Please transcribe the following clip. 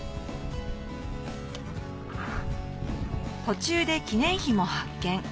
途中で記念碑も発見